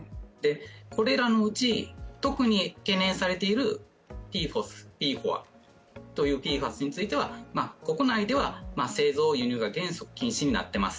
これらのうち、特に懸念されているＰＦＯＳ、ＰＦＯＡというＰＦＡＳについては国内では製造・輸入が、原則禁止になっています。